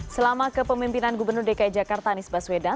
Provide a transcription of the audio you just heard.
selama kepemimpinan gubernur dki jakarta anies baswedan